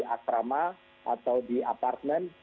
asrama atau di aparat